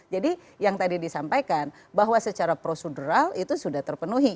jadi yang tadi disampaikan bahwa secara prosedural itu sudah terpenuhi